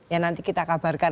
ya nanti kita kabarkan